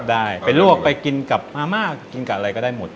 ได้ไปลวกไปกินกับมาม่ากินกับอะไรก็ได้หมด